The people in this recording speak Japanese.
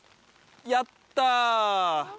やった！え！